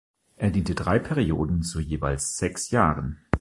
Er diente drei Perioden zu jeweils sechs Jahren.